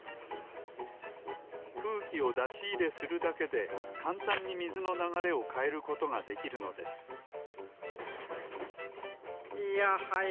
くうきをだしいれするだけでかんたんにみずのながれをかえることができるのですいやはや